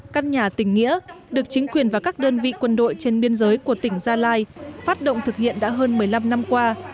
căn nhà tỉnh nghĩa được chính quyền và các đơn vị quân đội trên biên giới của tỉnh gia lai phát động thực hiện đã hơn một mươi năm năm qua